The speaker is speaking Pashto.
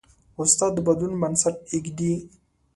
استاد د بدلون بنسټ ایږدي.